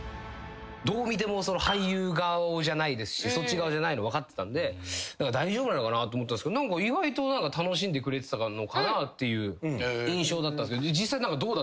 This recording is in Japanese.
どう見ても俳優顔じゃないですしそっち側じゃないの分かってたんで大丈夫なのかなと思ってたんすけど意外と楽しんでくれてたのかなっていう印象だったんすけど。